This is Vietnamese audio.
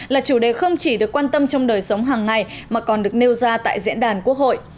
là chủ đề không chỉ được quan tâm trong đời sống hàng ngày mà còn được nêu ra tại diễn đàn quốc hội